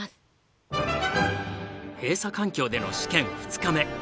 閉鎖環境での試験２日目。